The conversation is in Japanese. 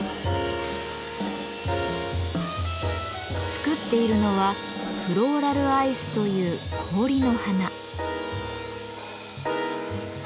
作っているのは「フローラルアイス」という氷の花。